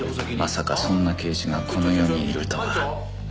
まさかそんな刑事がこの世にいるとは